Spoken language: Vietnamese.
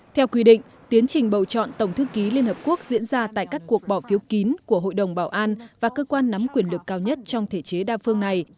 theo quy định tiến trình bầu chọn tổng thư ký liên hợp quốc diễn ra tại các cuộc bỏ phiếu kín của hội đồng bảo an và cơ quan nắm quyền lực cao nhất trong thể chế đa phương này